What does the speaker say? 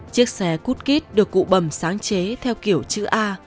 chiếc xe cút kít được cụ bầm sáng chế theo kiểu chữ a